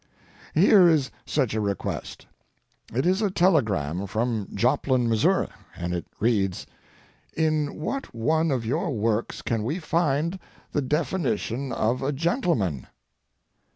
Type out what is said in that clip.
Here is such a request. It is a telegram from Joplin, Missouri, and it reads: "In what one of your works can we find the definition of a gentleman?"